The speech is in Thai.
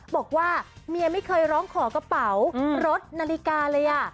บอกว่าเมียไม่เคยร้องขอกระเป๋ารถนาฬิกาเลย